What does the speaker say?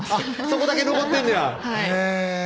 そこだけ残ってんねやはい